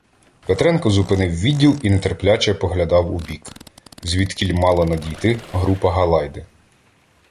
Петренко зупинив відділ і нетерпляче поглядав у бік, звідкіль мала надійти група Галайди.